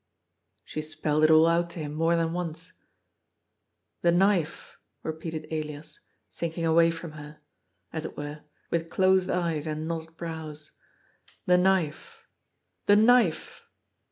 She spelled it all out to him more than once. " The knife !" repeated Elias, sinking away from her, as it were, with closed eyes and knotted brows. "The knife! The knife!"